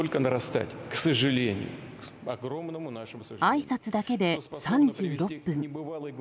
あいさつだけで３６分。